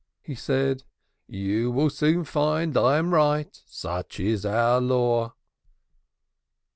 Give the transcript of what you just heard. he said. "You will soon find I am right. Such is our law."